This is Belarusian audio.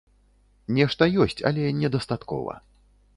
Нешта ёсць, але недастаткова.